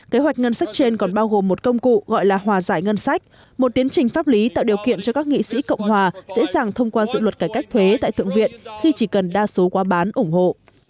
kế hoạch ngân sách trên còn bao gồm một công cụ gọi là hòa giải ngân sách một tiến trình pháp lý tạo điều kiện cho các nghị sĩ cộng hòa dễ dàng thông qua dự luật cải cách thuế tại thượng viện khi chỉ cần đa số quá bán ủng hộ